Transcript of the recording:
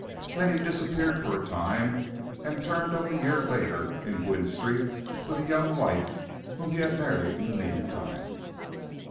Then he disappeared for a time, and turned up a year later in Gwynne Street with a young wife whom he had married in the meantime."